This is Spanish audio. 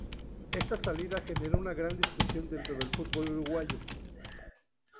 Esta salida generó una gran discusión dentro del fútbol uruguayo.